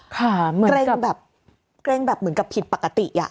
ค่ะเหมือนกับเกรงแบบเหมือนกับผิดปกติอ่ะ